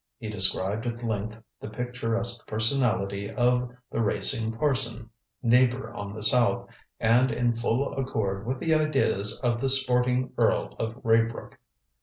He described at length the picturesque personality of the "racing parson," neighbor on the south, and in full accord with the ideas of the sporting Earl of Raybrook.